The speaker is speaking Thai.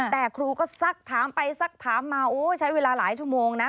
แต่ครูก็ซักถามไปซักถามมาโอ้ใช้เวลาหลายชั่วโมงนะ